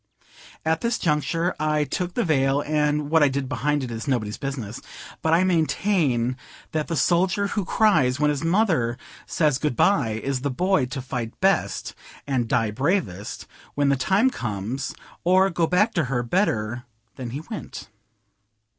At this juncture I took the veil, and what I did behind it is nobody's business; but I maintain that the soldier who cries when his mother says "Good bye," is the boy to fight best, and die bravest, when the time comes, or go back to her better than he went.